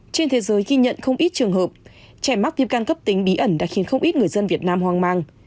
trên thế giới ghi nhận không ít trường hợp trẻ mắc viêm can cấp tính bí ẩn đã khiến không ít người dân việt nam hoang mang